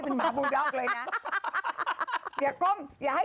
เราอยู่ต่ำไว้